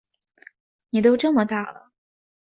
妳都这么大了